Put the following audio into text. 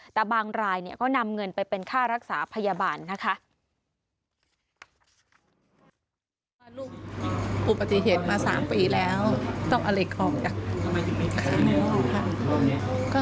แต่บางรายก็นำเงินไปเป็นค่ารักษาพยาบาลนะคะ